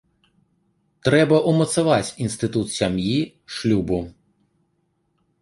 Трэба ўмацаваць інстытут сям'і, шлюбу.